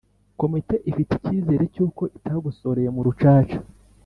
Komite ifite icyizere cy'uko itagosoreye mu rucaca